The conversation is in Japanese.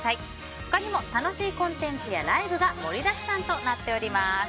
他にも楽しいコンテンツやライブが盛りだくさんとなっています。